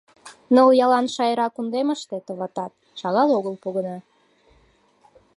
Ныл ялан Шайра кундемыште, товатат, шагал огыл погына.